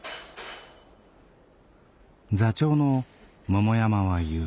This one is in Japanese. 座長の桃山は言う。